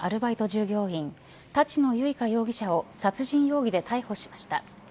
従業員立野由香容疑者を殺人容疑で逮捕しました。